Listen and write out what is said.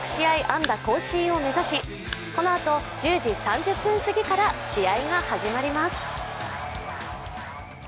安打更新を目指し、このあと１０時３０分すぎから試合が始まります。